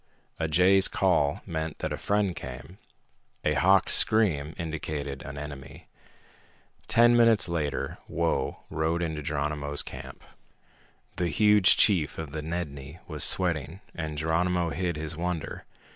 A jay's call meant that a friend came; a hawk's scream indicated an enemy. Ten minutes later Whoa rode into Geronimo's camp. The huge chief of the Nedni was sweating, and Geronimo hid his wonder.